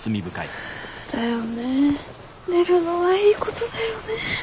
寝るのはいいことだよね。